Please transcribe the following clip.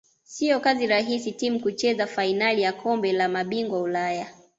siyo kazi rahis timu kucheza fainali ya kombe la mabingwa ulaya